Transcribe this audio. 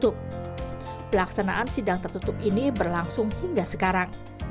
jika pertama kali disidang isbat tertutup pelaksanaan sidang tertutup ini berlangsung hingga sekarang